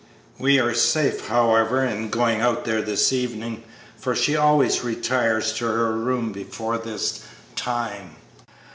We are safe, however, in going out there this evening, for she always retires to her room before this time."